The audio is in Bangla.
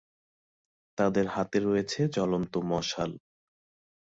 তাদের হাতে রয়েছে জ্বলন্ত মশাল।